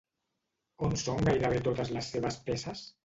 On són gairebé totes les seves peces?